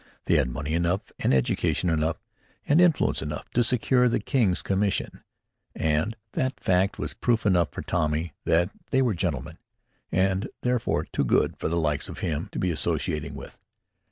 They had money enough and education enough and influence enough to secure the king's commission; and that fact was proof enough for Tommy that they were gentlemen, and, therefore, too good for the likes of him to be associating with.